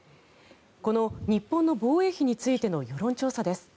この日本の防衛費についての世論調査です。